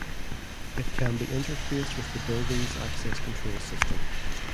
It can be interfaced with the building's access control system.